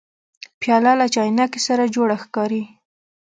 پیاله له چاینکي سره جوړه ښکاري.